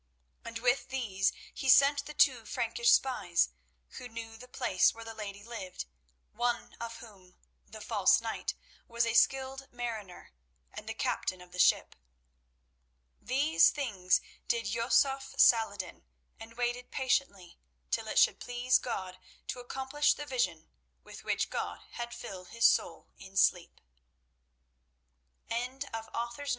And with these he sent the two Frankish spies, who knew the place where the lady lived, one of whom, the false knight, was a skilled mariner and the captain of the ship. These things did Yusuf Salah ed din, and waited patiently till it should please God to accomplish the vision with which God had filled his soul in sleep. Chapter I.